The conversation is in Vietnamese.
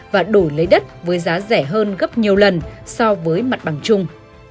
và đổi lấy đất với giá rẻ hơn gấp nhiều lần so với mặt bằng chung